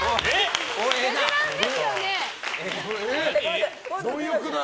ベテランですよね。